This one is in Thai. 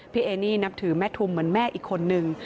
เอนี่นับถือแม่ทุมเหมือนแม่อีกคนนึง